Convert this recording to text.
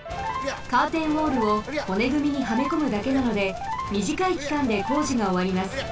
カーテンウォールをほねぐみにはめこむだけなのでみじかいきかんで工事がおわります。